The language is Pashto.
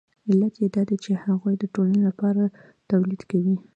علت یې دا دی چې هغوی د ټولنې لپاره تولید کوي